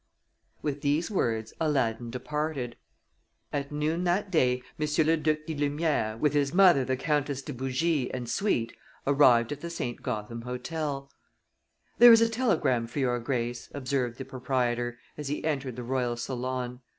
With these words, Aladdin departed. At noon that day Monsieur Le Duc di Lumière, with his mother the Countess de Bougie, and suite, arrived at the St. Gotham Hotel. "There is a telegram for your Grace," observed the proprietor, as he entered the royal salon.